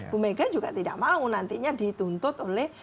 bumega juga tidak mau nantinya dituntut oleh